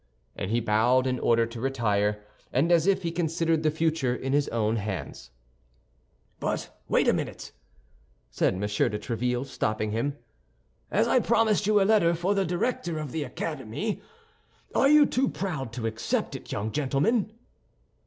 And he bowed in order to retire, and as if he considered the future in his own hands. "But wait a minute," said M. de Tréville, stopping him. "I promised you a letter for the director of the Academy. Are you too proud to accept it, young gentleman?"